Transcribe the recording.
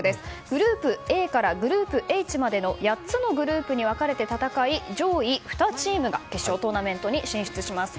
グループＡからグループＨまでの８つのグループに分かれて戦い上位２チームが決勝トーナメントに進出します。